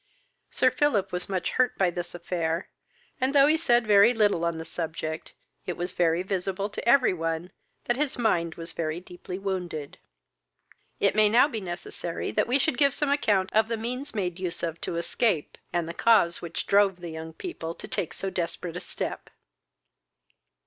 Sir Philip was much hurt by this affair; and, though he said very little on the subject, it was very visible to every one that his mind was very deeply wounded. It may now be necessary that we should give some account of the means made use of to escape, and the cause which drove the young people to take so desperate a step.